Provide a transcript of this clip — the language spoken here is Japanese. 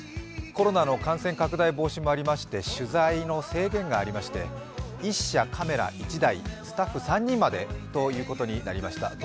コロナの感染拡大防止もありまして取材の制限がありまして１社カメら１台、スタッフ３人までということになりました。